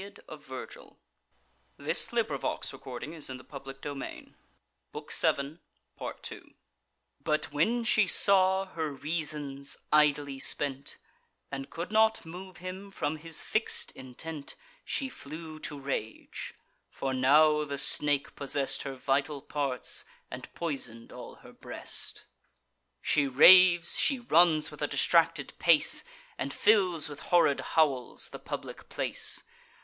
Then, if the line of Turnus you retrace, He springs from Inachus of Argive race." But when she saw her reasons idly spent, And could not move him from his fix'd intent, She flew to rage; for now the snake possess'd Her vital parts, and poison'd all her breast; She raves, she runs with a distracted pace, And fills with horrid howls the public place.